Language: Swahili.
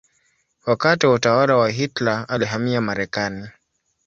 Wakati wa utawala wa Hitler alihamia Marekani.